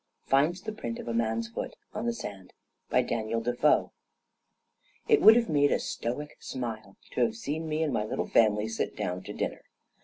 FINDS THE PRINT OF A MAN'S FOOT ON THE SAND By Daniel Defoe It would have made a Stoic smile to have seen me and my little family sit down to dinner.